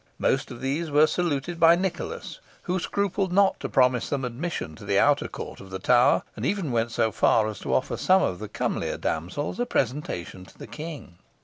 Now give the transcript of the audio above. Most of these were saluted by Nicholas, who scrupled not to promise them admission to the outer court of the Tower, and even went so far as to offer some of the comelier damsels a presentation to the King.